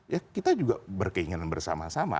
ya kita juga berkeinginan bersama sama